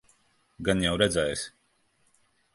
Gan jau redzēsi?